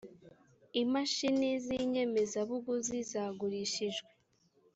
imashini z iinyemezabuguzi zagurishijwe